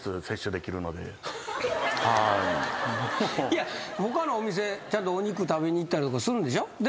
いや他のお店ちゃんとお肉食べにいったりとかするんでしょ。